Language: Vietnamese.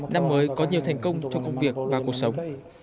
năm mới có nhiều thành công trong công việc và cuộc sống